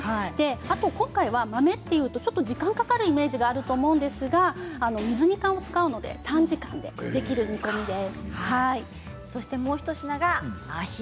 あと今回は豆というと時間がかかるイメージがあると思うんですが水煮缶を使うので短時間でできる煮込みです。